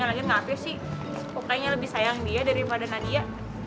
yang lagi gape sih kok kayaknya lebih sayang dia daripada nadia